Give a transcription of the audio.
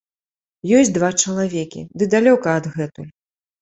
Ёсць два чалавекі, ды далёка адгэтуль.